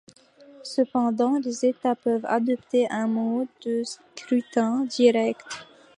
Cependant, les États peuvent adopter un mode de scrutin direct.